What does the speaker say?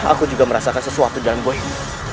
aku juga merasakan sesuatu di dalam gua ini